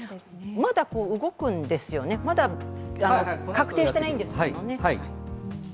まだ動くんですよね、確定していないんですもんね。